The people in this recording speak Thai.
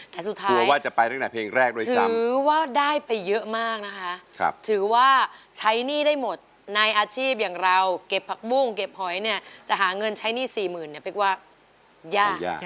แต่สุดท้ายถือว่าได้ไปเยอะมากนะคะถือว่าใช้หนี้ได้หมดในอาชีพอย่างเราเก็บผักบุ้งเก็บหอยเนี่ยจะหาเงินใช้หนี้สี่หมื่นเนี่ยเป็กว่ายาก